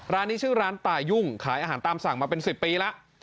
ร้านนี้ชื่อร้านตายุ่งขายอาหารตามสั่งมาเป็น๑๐ปีแล้ว